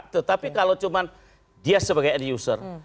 tetapi kalau cuma dia sebagai end user